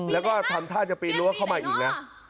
แล้วก็ทำท่าจะปีนรั้วเข้ามาอีกนะ